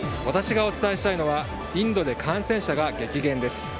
私がお伝えしたいのはインドで感染者が激減です。